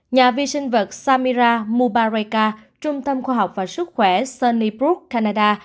nhà vi sinh vật samira mubaraka trung tâm khoa học và sức khỏe sunnybrook canada